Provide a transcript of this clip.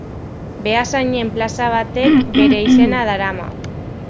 Beasainen plaza batek bere izena darama.